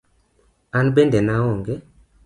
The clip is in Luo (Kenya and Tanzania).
An bende naong'e.